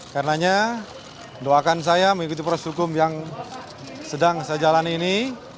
karenanya doakan saya mengikuti proses hukum yang sedang saya jalani ini